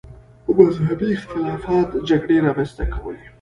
مذهبي اختلافات جګړې رامنځته کولې.